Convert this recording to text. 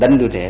đánh đứa trẻ